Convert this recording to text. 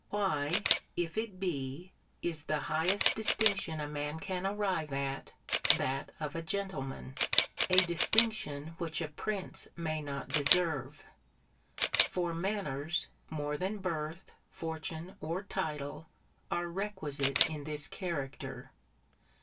Why, if it be, is the highest distinction a man can arrive at, that of a gentleman? A distinction which a prince may not deserve. For manners, more than birth, fortune, or title, are requisite in this character.